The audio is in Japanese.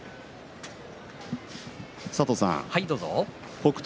北勝